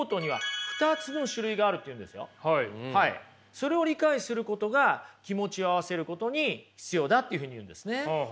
それを理解することが気持ちを合わせることに必要だっていうふうに言うんですね。